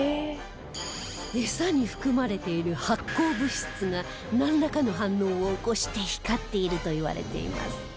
餌に含まれている発光物質がなんらかの反応を起こして光っているといわれています